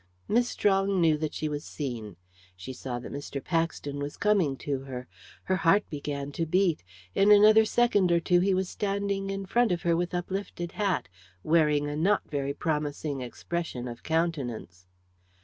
Miss Strong knew that she was seen. She saw that Mr. Paxton was coming to her. Her heart began to beat. In another second or two he was standing in front of her with uplifted hat, wearing a not very promising expression of countenance.